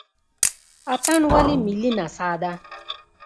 اتن ولې ملي نڅا ده؟